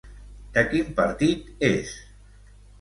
De quin partit és?